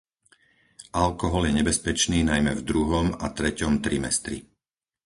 Alkohol je nebezpečný najmä v druhom a treťom trimestri.